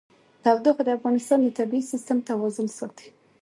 تودوخه د افغانستان د طبعي سیسټم توازن ساتي.